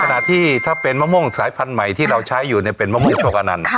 ขณะที่ถ้าเป็นมะม่วงสายพันธุ์ใหม่ที่เราใช้อยู่เนี่ยเป็นมะม่วงโชคอนันต์